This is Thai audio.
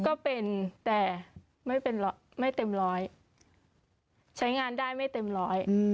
ก็เป็นแต่ไม่เป็นร้อยไม่เต็มร้อยใช้งานได้ไม่เต็มร้อย